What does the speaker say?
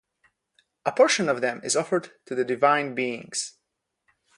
A portion of them is offered to the divine beings.